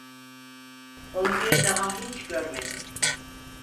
Onu bir daha hiç görmedim.